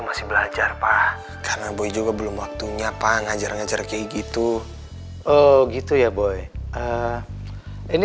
masih belajar pak karena boy juga belum waktunya pak ngajar ngajar kayak gitu oh gitu ya boy ini